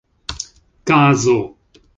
kazo